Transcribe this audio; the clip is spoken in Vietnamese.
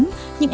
ngay từ sáng sớm